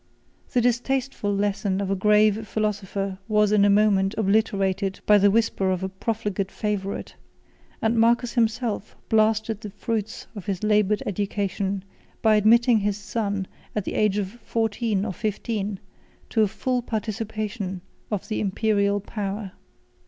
The distasteful lesson of a grave philosopher was, in a moment, obliterated by the whisper of a profligate favorite; and Marcus himself blasted the fruits of this labored education, by admitting his son, at the age of fourteen or fifteen, to a full participation of the Imperial power.